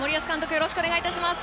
よろしくお願いします。